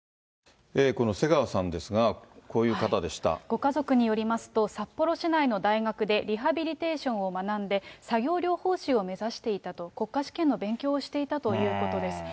ご家族によりますと、札幌市内の大学でリハビリテーションを学んで、作業療法士を目指していたと、国家試験の勉強をしていたということです。